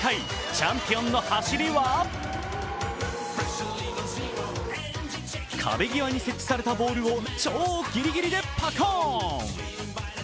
チャンピオンの走りは壁際に設置されたボールを超ギリギリでパコーン！。